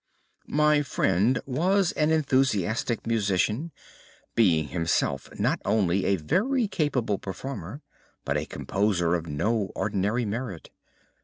My friend was an enthusiastic musician, being himself not only a very capable performer but a composer of no ordinary merit.